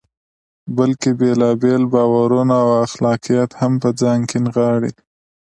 بلکې بېلابېل باورونه او اخلاقیات هم په ځان کې نغاړي.